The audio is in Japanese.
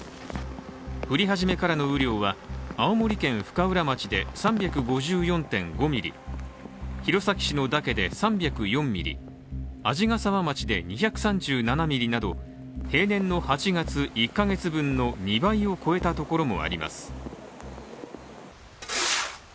降り始めからの雨量は青森県深浦町で３５４．５ミリ弘前市の岳で３０４ミリ、鰺ヶ沢町で２３７ミリなど平年の８月１カ月分の２倍を超えたところもあります。